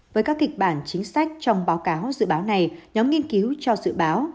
với các kịch bản chính sách trong báo cáo dự báo này nhóm nghiên cứu cho dự báo